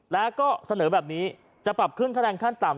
แล้วก็เสนอแบบนี้จะปรับขึ้นค่าแรงขั้นต่ำ